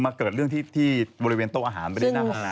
มาเกิดเรื่องที่บริเวณโต๊ะอาหารไปได้นั่งมา